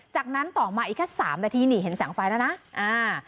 จากนั้นต่อมาอีกแค่สามนาทีนี่เห็นแสงไฟแล้วนะอ่า